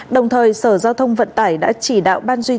đồng thời sở giao thông vận tải đã chỉ đạo ban duy